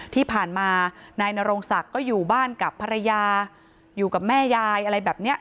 ที่ผ่านมานายนโรงศักดิ์ก็อยู่บ้านกับภรรยาอยู่กับแม่ยายอะไรแบบนี้